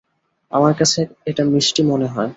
আমার কাছে এটা মিষ্টি মনে হয়েছে।